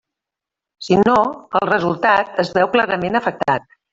Si no, el resultat es veu clarament afectat.